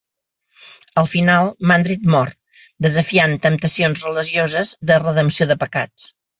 Al final, Mandred mor, desafiant temptacions religioses de redempció de pecats.